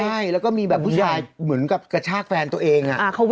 ใช่แล้วก็มีแบบผู้ชายเหมือนกับกระชากแฟนตัวเอง